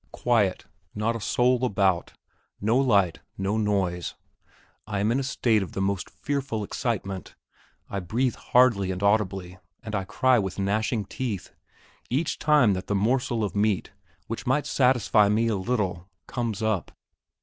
Quiet not a soul about no light, no noise; I am in a state of the most fearful excitement; I breathe hardly and audibly, and I cry with gnashing teeth, each time that the morsel of meat, which might satisfy me a little, comes up.